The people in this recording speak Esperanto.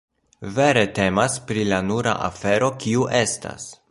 Vere temas pri la nura afero, kiu estas.